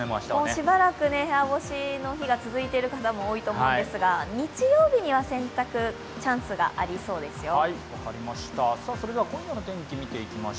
しばらく部屋干しの日が続いている方も多いと思うのですが、日曜日には洗濯チャンスがありそうですよ。